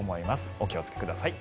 お気をつけください。